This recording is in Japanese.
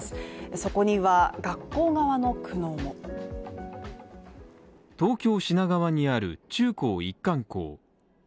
そこには学校側の苦悩も東京・品川にある中高一貫校